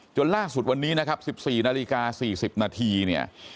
จนล่าสุดวันนี้นะครับสิบสี่นาฬิกาสี่สิบนาทีเนี่ย